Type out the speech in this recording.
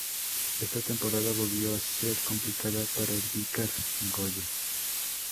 Esta temporada volvió a ser complicada para el Vícar Goya.